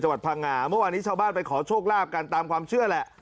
วัดพังงาเมื่อวานนี้ชาวบ้านไปขอโชคลาภกันตามความเชื่อแหละ